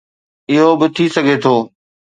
اهو به ٿي سگهي ٿو